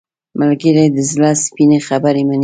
ملګری د زړه سپینې خبرې مني